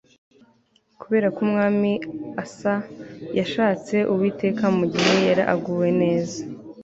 Kubera ko umwami Asa yashatse Uwiteka mu gihe yari aguwe neza